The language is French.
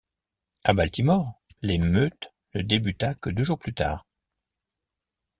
À Baltimore, l'émeute ne débuta que deux jours plus tard.